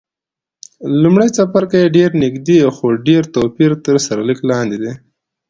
لومړی څپرکی یې ډېر نږدې، خو ډېر توپیر تر سرلیک لاندې دی.